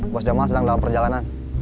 bos jemaah sedang dalam perjalanan